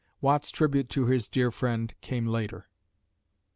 Watt's tribute to his dear friend came later.